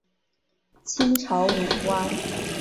清朝武官。